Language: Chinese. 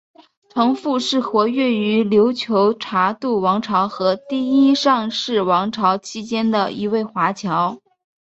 程复是活跃于琉球察度王朝和第一尚氏王朝期间的一位华侨。